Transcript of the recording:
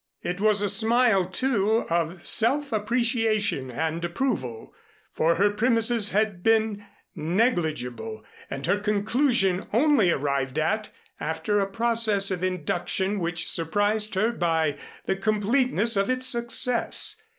It was a smile, too, of self appreciation and approval, for her premises had been negligible and her conclusion only arrived at after a process of induction which surprised her by the completeness of its success.